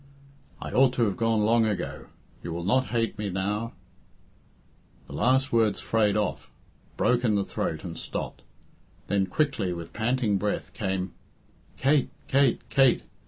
I ought to have gone long ago you will not hate me now " The last words frayed off, broke in the throat, and stopped. Then quickly, with panting breath, came, "Kate! Kate! Kate!"